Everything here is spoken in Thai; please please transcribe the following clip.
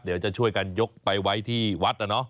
เดี๋ยวจะช่วยกันยกไปไว้ที่วัดนะเนาะ